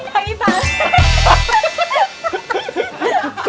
ให้พี่ปาม